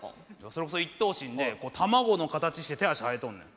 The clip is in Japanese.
それこそ１頭身で卵の形して手足生えとんねん。